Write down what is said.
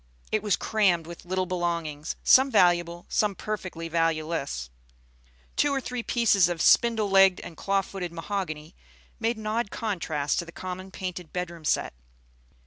It was crammed with little belongings, some valuable, some perfectly valueless. Two or three pieces of spindle legged and claw footed mahogany made an odd contrast to the common painted bedroom set.